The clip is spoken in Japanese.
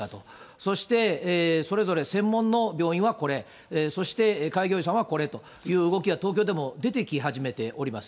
そして、それぞれ専門の病院はこれ、そして開業医さんはこれという動きは、東京でも出てき始めております。